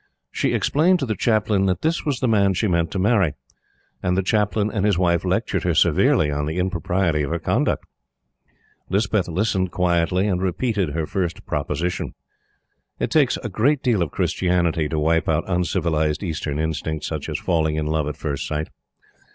She explained to the Chaplain that this was the man she meant to marry; and the Chaplain and his wife lectured her severely on the impropriety of her conduct. Lispeth listened quietly, and repeated her first proposition. It takes a great deal of Christianity to wipe out uncivilized Eastern instincts, such as falling in love at first sight.